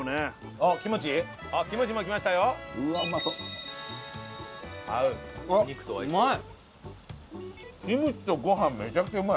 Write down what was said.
あっうまい！